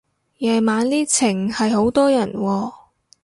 夜晚呢程係好多人喎